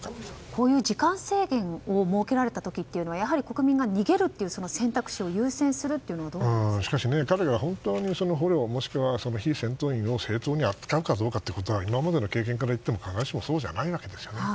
こういう時間制限を設けられた時やはり国民が逃げるという選択肢を優先するというのはしかし彼が本当に捕虜もしくは非戦闘員を正当に扱うかどうかは今までの経験からいっても必ずしもそうじゃないわけですよね。